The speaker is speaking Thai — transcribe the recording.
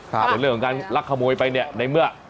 ส่วนเรื่องของการลักขโมยไปเนี่ยในเมื่อ